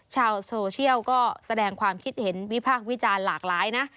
ชาวโซเชียลก็แสดงความคิดเห็นวิพากษ์วิจารณ์หลากหลายนะ